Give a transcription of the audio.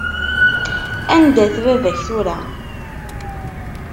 Anda-t baba-k tura?